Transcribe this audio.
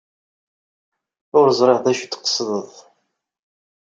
Ur ẓriɣ d acu ay d-tqesdeḍ.